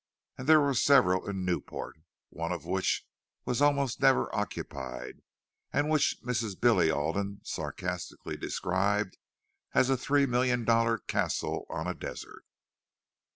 Also there were several in Newport—one which was almost never occupied, and which Mrs. Billy Alden sarcastically described as "a three million dollar castle on a desert."